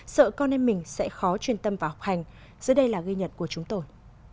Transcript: sợ con em mình sẽ khó truyền tâm vào học hành giữa đây là ghi nhận của chúng tôi